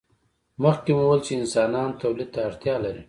مخکې مو وویل چې انسانان تولید ته اړتیا لري.